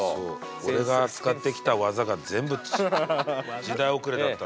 俺が使ってきた技が全部時代遅れだったという。